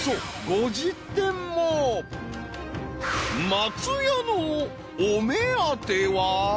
［松也のお目当ては］